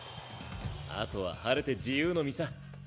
あとは晴れて自由の身さ。